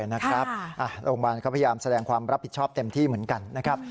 โรงพยาบาลก็พยายามแสดงความรับผิดชอบเต็มที่เหมือนกันนะครับ